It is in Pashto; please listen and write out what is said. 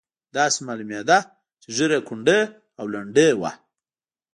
داسې معلومېده چې ږیره یې کونډۍ او لنډۍ وه.